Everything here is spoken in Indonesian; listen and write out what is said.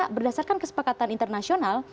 karena berdasarkan kesepakatan internasional